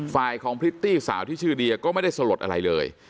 ฝ่ายของพริตตี้สาวที่ชื่อเดียก็ไม่ได้สลดอะไรเลย